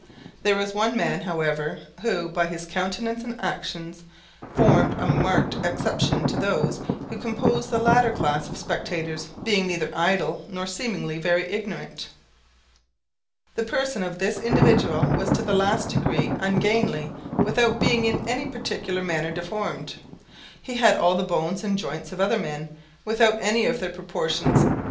There was one man, however, who, by his countenance and actions, formed a marked exception to those who composed the latter class of spectators, being neither idle, nor seemingly very ignorant. The person of this individual was to the last degree ungainly, without being in any particular manner deformed. He had all the bones and joints of other men, without any of their proportions.